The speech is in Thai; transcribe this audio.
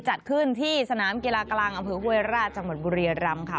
จัดขึ้นที่สนามกีฬากลางอำเภอห้วยราชจังหวัดบุรียรำค่ะ